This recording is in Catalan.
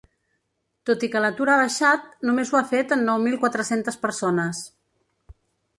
Tot i que l’atur ha baixat, només ho ha fet en nou mil quatre-centes persones.